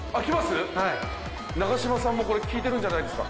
はい永島さんもこれ効いてるんじゃないですか？